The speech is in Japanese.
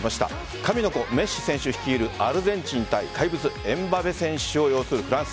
神の子・メッシ選手率いるアルゼンチン対怪物・エムバペ選手を擁するフランス。